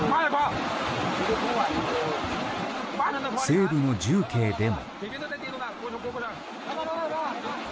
西部の重慶でも。